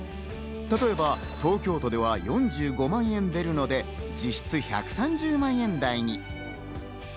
例えば東京都では４５万円出るので、実質１３０万円台に。